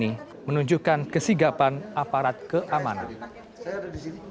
pertangkapnya otk ini menunjukkan kesigapan aparat keamanan